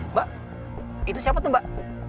mbak itu siapa tuh mbak